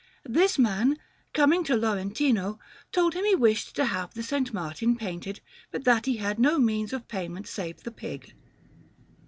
This man, coming to Lorentino, told him that he wished to have the S. Martin painted, but that he had no means of payment save the pig.